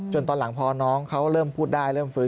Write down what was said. ตอนหลังพอน้องเขาเริ่มพูดได้เริ่มฟื้น